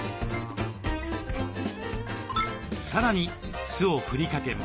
さらに酢を振りかけます。